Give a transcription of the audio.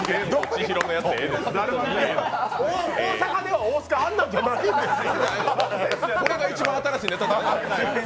大阪では大須賀、あんな芸人じゃないんですよ。